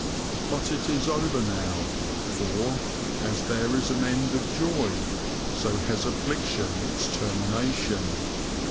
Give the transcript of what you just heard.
But it is over now, for, as there is an end of joy, so has affliction its termination.